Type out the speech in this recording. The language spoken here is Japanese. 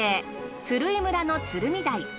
鶴居村の鶴見台。